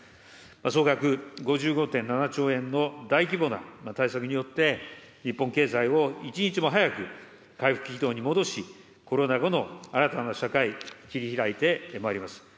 総額５５．７兆円の大規模な対策によって、日本経済を一日も早く回復軌道に戻し、コロナ後の新たな社会を切りひらいてまいります。